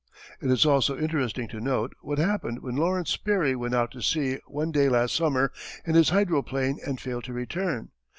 It is also interesting to note what happened when Lawrence Sperry went out to sea one day last summer in his hydroplane and failed to return.